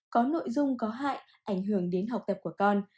có nội dung có hại ảnh hưởng đến học tập của con